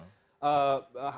oleh lbh jakarta